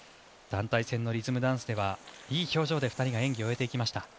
団体戦のリズムダンスではいい表情で２人は終えていきました。